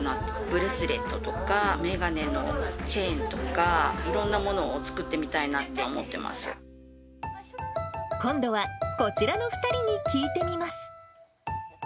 ブレスレットとか、メガネのチェーンとか、いろんなものを作って今度は、こちらの２人に聞いてみます。